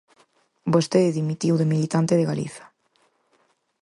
Vostede dimitiu de militante de Galiza.